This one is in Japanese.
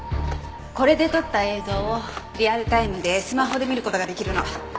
これで撮った映像をリアルタイムでスマホで見る事ができるの。